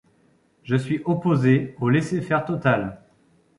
Je suis opposé au laisser-faire total.